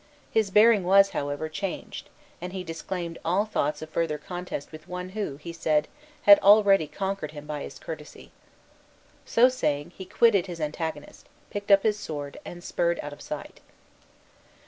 His bearing was, however, changed; and he disclaimed all thoughts of further contest with one who, he said, "had already conquered him by his courtesy." So saying, he quitted his antagonist, picked up his sword, and spurred out of sight.